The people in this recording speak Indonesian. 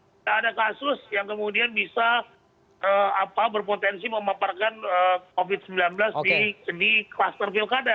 tidak ada kasus yang kemudian bisa berpotensi memaparkan covid sembilan belas di kluster pilkada